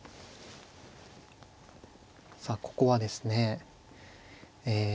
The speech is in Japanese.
さあここはですねえ